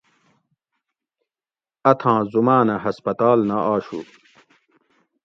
اتھاں زُمانہ ہسپتال نہ آشو